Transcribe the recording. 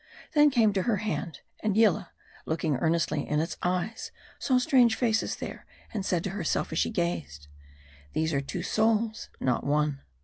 Then came to her hand : and Yillah, looking earnestly in its eyes, saw strange faces there ; and said to herself as she gazed " These are two souls, not one."